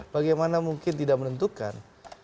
bagaimana mungkin tidak menentukan